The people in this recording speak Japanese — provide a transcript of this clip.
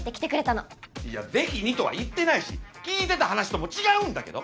いやぜひにとは言ってないし聞いてた話とも違うんだけど！？